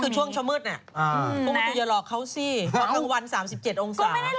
คือช่วงช่วงมืดเนี่ยก็ไม่ต้องจะหลอกเขาสิเพราะวัน๓๗องศา